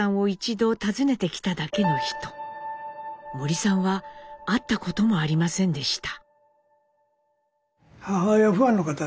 森さんは会ったこともありませんでした。